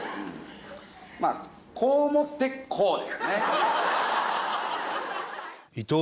まあこう持ってこうですね。